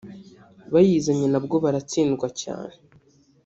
bayizanye na bwo baratsindwa cyane